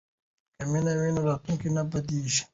که مینه وي نو راتلونکی نه بندیږي.